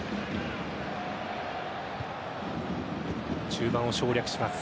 中盤を省略します。